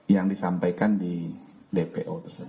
yang disampaikan di dpo tersebut